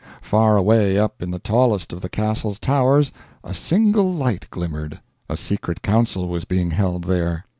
Far away up in the tallest of the castle's towers a single light glimmered. A secret council was being held there.